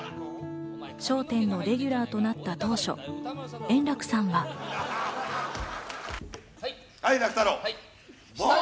『笑点』のレギュラーとなった当初、円楽さんは。はい、楽太郎。